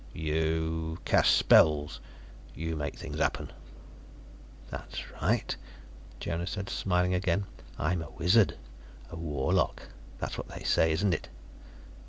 "You cast spells. You make things happen." "That's right," Jonas said, smiling again. "I'm a wizard. A warlock. That's what they say, isn't it?"